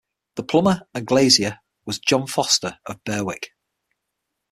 The plumber and glazier was John Forster of Berwick.